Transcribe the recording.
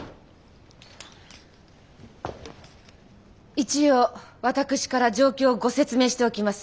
一応私から状況をご説明しておきます。